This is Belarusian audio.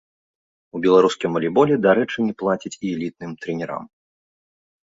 У беларускім валейболе, дарэчы, не плацяць і элітным трэнерам.